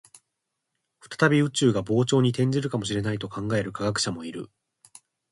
再び宇宙が膨張に転じるかもしれないと考える科学者もいる